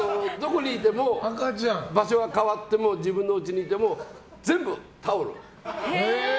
場所は変わっても自分のうちにいても全部タオル。